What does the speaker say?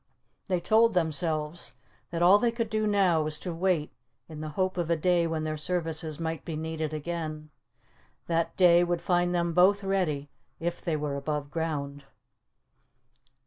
They told themselves that all they could do now was to wait in the hope of a day when their services might be needed again. That day would find them both ready, if they were above ground.